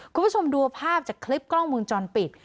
คุณผู้ชมดูภาพจากคลิปกล้องมือจรปิด